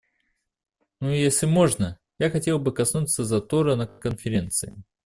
Ну и если можно, я хотела бы коснуться затора на Конференции.